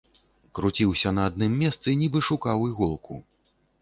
Круціўся на адным месцы, нібы шукаў іголку.